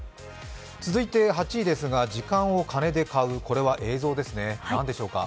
続いて８位ですが、時間を金で買う、これは映像ですね、何でしょうか。